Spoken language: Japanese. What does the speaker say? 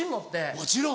もちろん。